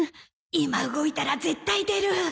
今動いたら絶対出る！